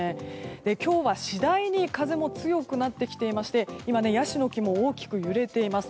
今日は次第に風も強くなってきていましてヤシの木も大きく揺れています。